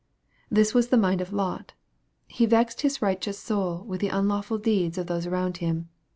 This was the mind of Lot :" He vexed his righteous soul with the unlawful deeds" of those around him.